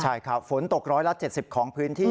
ใช่ครับฝนตกร้อยละ๗๐ของพื้นที่